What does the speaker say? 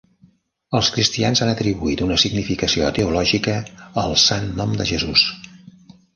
Els cristians han atribuït una significació teològica al Sant Nom de Jesús.